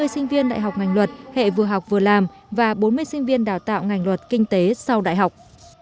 hai mươi sinh viên đại học ngành luật hệ vừa học vừa làm và bốn mươi sinh viên đào tạo ngành luật kinh tế sau đại học